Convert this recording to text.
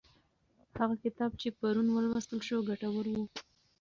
هغه کتاب چې پرون ولوستل شو ګټور و.